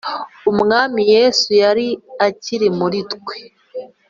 Umwami Yesu yari akiri muri twe